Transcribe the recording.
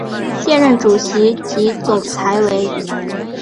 现任主席及总裁为。